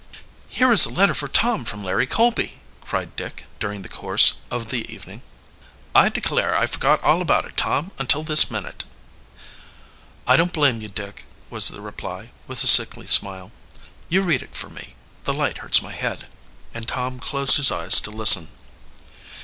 "Here is a letter for Tom from Larry Colby," cried Dick during the course, of the evening. "I declare, I forgot all about it, Tom, until this minute." "I don't blame you, Dick," was the reply, with a sickly smile. "You read it for me. The light hurts my head," and Tom closed his eyes to listen.